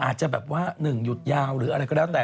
อาจจะแบบว่า๑หยุดยาวหรืออะไรก็แล้วแต่